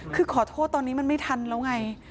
คือขอโทษตอนนี้มันไม่ทันแล้วไง